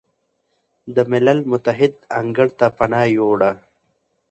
د ملل متحد انګړ ته پناه ویوړه،